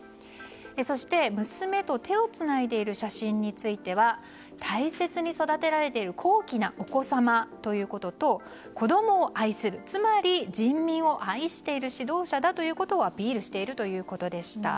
そして娘と手をつないでいる写真については大切に育てられている高貴なお子様ということと子供を愛するつまり人民を愛している指導者だということをアピールしているということでした。